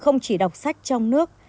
không chỉ đọc sách trong nước